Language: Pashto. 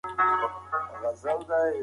د کتابتون اسناد وکتل شول.